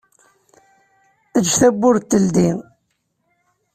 Eǧǧ tawwurt teldi.